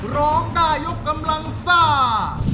ร้องได้ยกกำลังซ่า